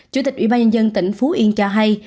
chủ tịch ủy ban nhân dân tỉnh phú yên cho hay